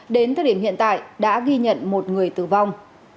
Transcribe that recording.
đến thời điểm hiện tại đã ghi nhận một người tử vong